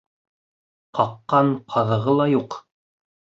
Ҡаҡҡан ҡаҙығы ла юҡ.